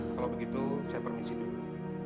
kalau begitu saya permisi dulu